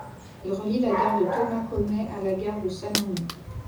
Elle relie la gare de Tomakomai à la gare de Samani.